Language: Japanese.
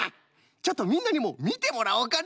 ちょっとみんなにもみてもらおうかの！